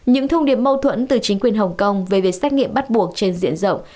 những thông điệp mâu thuẫn từ chính quyền hồng kông về việc xét nghiệm bắt buộc trên diện rộng